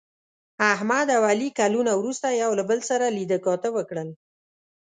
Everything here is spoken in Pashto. احمد او علي کلونه وروسته یو له بل سره لیده کاته وکړل.